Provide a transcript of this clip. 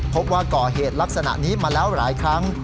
พบว่าก่อเหตุลักษณะนี้มาแล้วหลายครั้ง